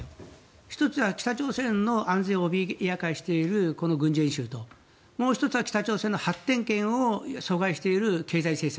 １つは北朝鮮の安全を脅かしているこの軍事演習ともう１つは北朝鮮の発展権を阻害している経済制裁。